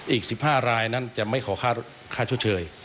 อีก๑๕รายนั้นจะไม่ขอค่าชดเชย